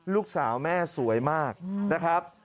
ลูกสาวแม่สวยมากนะครับ